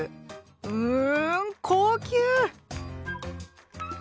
うん高級！